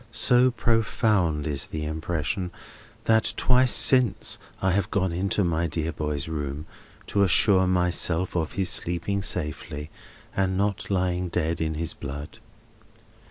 So profound is the impression, that twice since I have gone into my dear boy's room, to assure myself of his sleeping safely, and not lying dead in his blood.